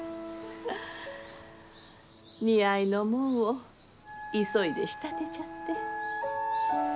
似合いのもんを急いで仕立てちゃって。